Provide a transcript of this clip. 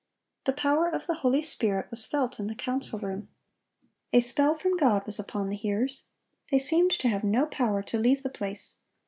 The power of the Holy Spirit was felt in the council room. A spell from God was upon the hearers. They seemed to have no power to leave the place.